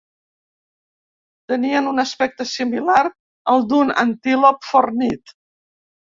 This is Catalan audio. Tenien un aspecte similar al d'un antílop fornit.